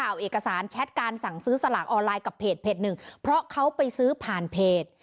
เอาเอกสารแชทการสั่งซื้อสลากออนไลน์กับเพจหนึ่งเพราะเขาไปซื้อผ่านเพจ